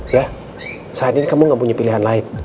ya saat ini kamu gak punya pilihan lain